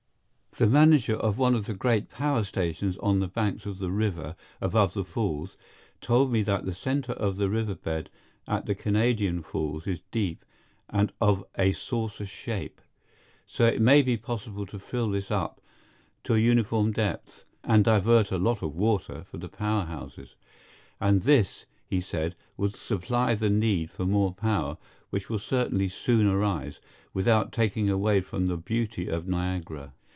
The manager of one of the great power stations on the banks of the river above the Falls told me that the center of the riverbed at the Canadian Falls is deep and of a saucer shape. So it may be possible to fill this up to a uniform depth, and divert a lot of water for the power houses. And this, he said, would supply the need for more power, which will certainly soon arise, without taking away from the beauty of Niagara.